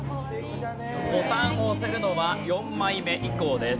ボタンを押せるのは４枚目以降です。